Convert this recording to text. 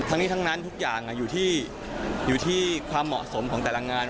ทั้งนี้ทั้งนั้นทุกอย่างอยู่ที่ความเหมาะสมของแต่ละงาน